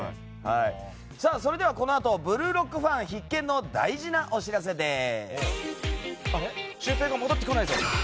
それではこのあと「ブルーロック」ファン必見の大事なお知らせです。